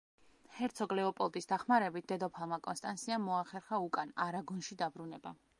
ჰერცოგ ლეოპოლდის დახმარებით, დედოფალმა კონსტანსიამ მოახერხა უკან, არაგონში დაბრუნება.